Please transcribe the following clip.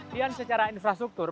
dan secara infrastruktur